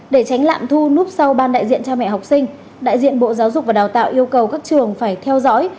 để tránh lạm thu núp sau ban đại diện cha mẹ học sinh đại diện bộ giáo dục và đào tạo yêu cầu các trường phải theo dõi